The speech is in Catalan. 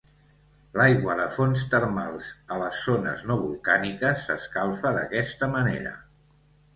L'aigua de fonts termals a les zones no volcàniques s'escalfa d'aquesta manera.